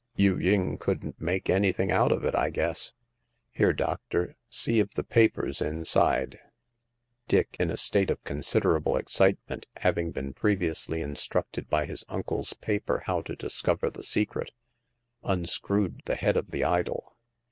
"Yu ying couldn't make anything out of it, I guess. Here, doctor, see if the paper's in side." Dick, in a state of considerable excitement, having been previously instructed by his uncle's paper how to discover the secret, unscrewed the head of the idol.